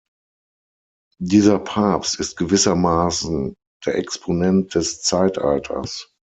Dieser Papst ist gewissermaßen der Exponent des Zeitalters.